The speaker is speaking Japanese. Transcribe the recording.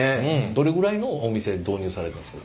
どれぐらいのお店で導入されてますか？